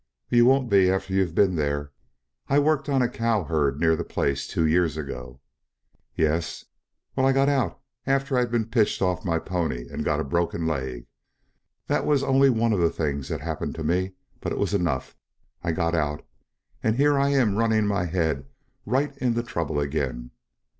"You won't be after you've been there. I worked on a cow herd near the place two years ago." "Yes?" "Well, I got out after I'd been pitched off my pony and got a broken leg. That was only one of the things that happened to me, but it was enough. I got out. And here I am running my head right into trouble again.